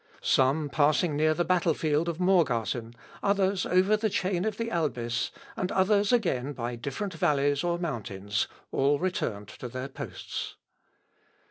Some passing near the battle field of Morgarten, others over the chain of the Albis, and others again by different valleys or mountains, all returned to their posts.